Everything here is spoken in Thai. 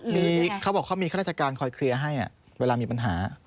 มีเขาบอกเขามีข้าราชการคอยเคลียร์ให้เวลามีปัญหา